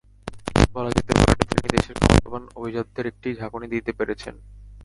বলা যেতে পারে, তিনি দেশের ক্ষমতাবান অভিজাতদের একটি ঝাঁকুনি দিতে পেরেছেন।